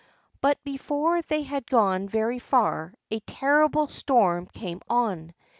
But before they had gone very far a terrible storm came on.